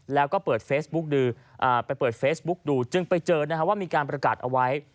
แล้วก็เปิดเฟซบุ๊กดูจึงไปเจอนะครับว่ามีการประกาศเอาไว้